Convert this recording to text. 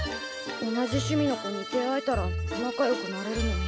同じ趣味の子に出会えたら仲良くなれるのに。